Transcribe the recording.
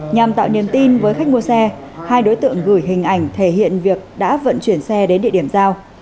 nhằm tạo niềm tin với khách mua xe hai đối tượng gửi hình ảnh thể hiện việc đã vận chuyển xe đến địa điểm giao